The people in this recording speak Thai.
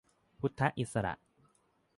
พุทธอิสระ